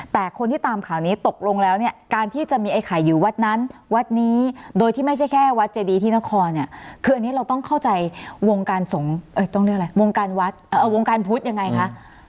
แต่คนที่ตามข่าวนี้ตกลงแล้วเนี่ยการที่จะมีไอ้ไข่อยู่วัดนั้นวัดนี้โดยที่ไม่ใช่แค่วัดเจดีที่นครเนี่ยคืออันนี้เราต้องเข้าใจวงการสงฆ์ต้องเรียกอะไรวงการวัดวงการพุทธยังไงคะ